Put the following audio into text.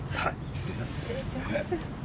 失礼します。